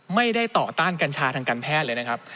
ไม่ได้ต่อต้านกัญชาทางการแพทย์เลยนะครับ